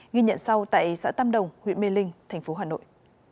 ghi nhận sau tại xã tam đồng huyện mê linh tp hà nội